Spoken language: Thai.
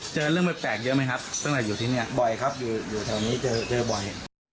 เจอเรื่องแปลกเยอะไหมครับตั้งแต่อยู่ที่นี่บ่อยครับอยู่แถวนี้เจอบ่อย